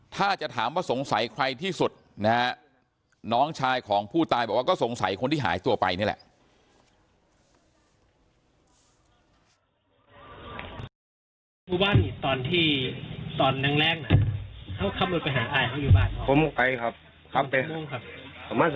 ถ้าจะถามว่าสงสัยใครที่สุดนะฮะน้องชายของผู้ตายบอกว่าก็สงสัยคนที่หายตัวไปนี่แหละ